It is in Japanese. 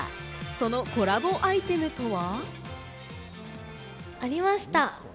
そのコラボアイテムとは。